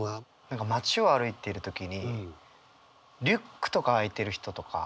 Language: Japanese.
何か街を歩いてる時にリュックとか開いてる人とか。